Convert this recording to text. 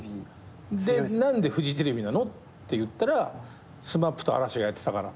で何でフジテレビなの？っていったらＳＭＡＰと嵐がやってたから。